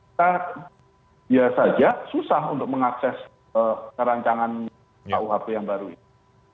kita biasa saja susah untuk mengakses rancangan kuhp yang baru ini